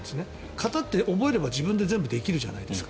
形って覚えれば全部自分でできるじゃないですか。